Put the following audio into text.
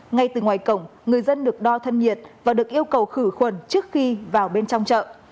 ngay từ ngoài cổng người dân được đo thân nhiệt và được yêu cầu khử khuẩn trước khi vào bên trong chợ